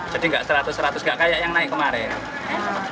jadi nggak rp seratus nggak kayak yang naik kemarin